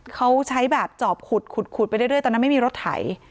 เขาใช้แบบจอบขุดขุดไปเรื่อยตอนนั้นไม่มีรถไถ